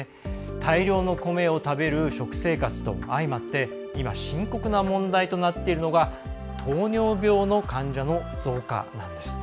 大量の米を食べる食生活と相まって今、深刻な問題になっているのが糖尿病の患者の増加なんです。